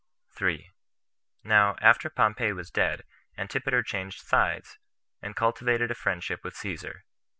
3. Now, after Pompey was dead, Antipater changed sides, and cultivated a friendship with Caesar.